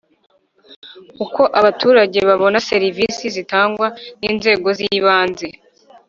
Uko abaturage babona serivisi zitangwa n’ inzego ‘z ibanze